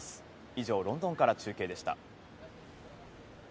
以上、ロンドンから中継でした。